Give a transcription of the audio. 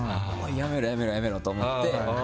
やめろやめろやめろと思って。